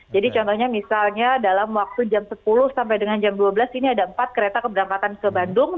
jadi contohnya misalnya dalam waktu jam sepuluh sampai dengan jam dua belas ini ada empat kereta keberangkatan ke bandung